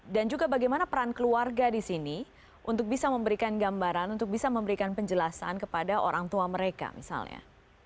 dan juga bagaimana peran keluarga di sini untuk bisa memberikan gambaran untuk bisa memberikan penjelasan kepada orang tua mereka misalnya